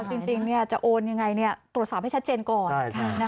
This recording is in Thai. จริงจะโอนยังไงตรวจสอบให้ชัดเจนก่อน